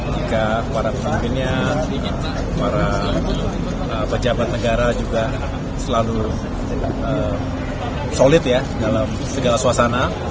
jika para pemimpinnya para pejabat negara juga selalu solid ya dalam segala suasana